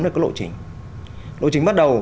là có lộ chính lộ chính bắt đầu